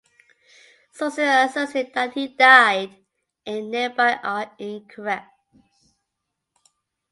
Sources asserting that he died in nearby are incorrect.